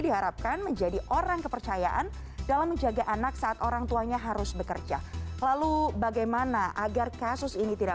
selamat malam mbak lita dan juga mbak intan